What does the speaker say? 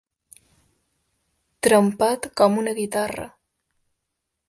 Trempat com una guitarra.